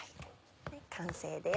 完成です。